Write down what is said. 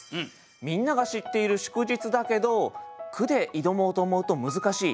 みんなが知っている祝日だけど句で挑もうと思うと難しい。